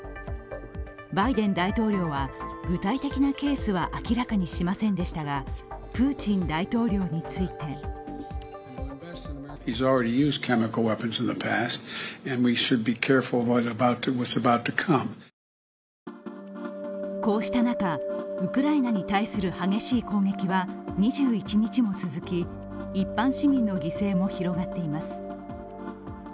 バイデン大統領は具体的なケースは明らかにしませんでしたが、プーチン大統領についてこうした中、ウクライナに対する激しい攻撃は２１日も続き一般市民の犠牲も広がっています。